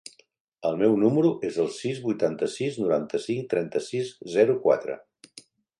El meu número es el sis, vuitanta-sis, noranta-cinc, trenta-sis, zero, quatre.